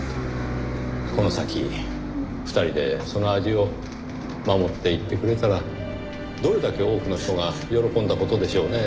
この先２人でその味を守っていってくれたらどれだけ多くの人が喜んだ事でしょうねぇ。